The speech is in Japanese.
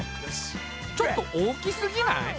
ちょっと大きすぎない？